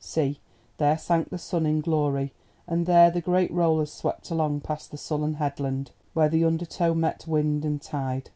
See, there sank the sun in glory; and there the great rollers swept along past the sullen headland, where the undertow met wind and tide.